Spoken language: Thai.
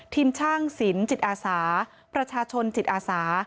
ทีมช่างศิลป์จิตอาสาประชาชนจิตอาสา